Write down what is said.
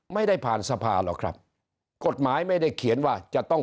ไม่ได้ผ่านสภาหรอกครับกฎหมายไม่ได้เขียนว่าจะต้อง